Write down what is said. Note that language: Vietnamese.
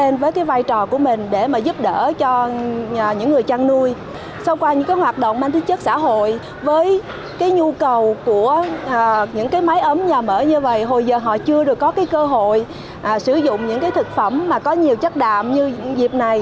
nếu như như nhu cầu của những máy ấm nhà mở như vậy hồi giờ họ chưa được có cơ hội sử dụng những thực phẩm có nhiều chất đạm như dịp này